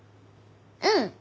うん。